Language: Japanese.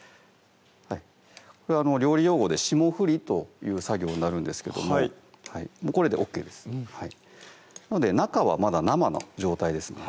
これ料理用語で霜降りという作業になるんですけどもこれでＯＫですうんなので中はまだ生の状態です